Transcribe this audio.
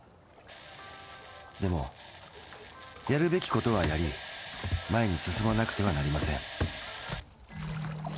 でもやるべきことはやり前に進まなくてはなりません。